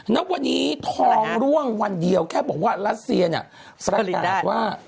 ณวันนี้ทองร่วงวันเดียวแค่บอกว่ารัสเซียเนี่ยประกาศว่า